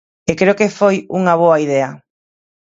E creo que foi unha boa idea.